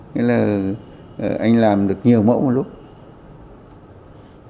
nên là anh làm được nhiều mẫu một lúc